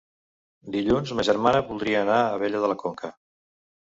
Dilluns ma germana voldria anar a Abella de la Conca.